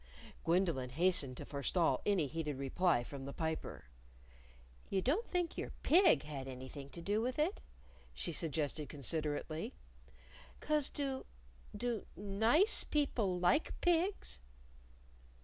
Gwendolyn hastened to forestall any heated reply from the Piper. "You don't think your pig had anything to do with it?" she suggested considerately. "'Cause do do nice people like pigs?"